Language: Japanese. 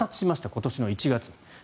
今年の１月に。